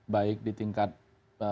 baik di tingkat dpp